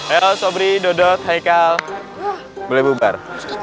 ayo sobri daudot heikal boleh bubar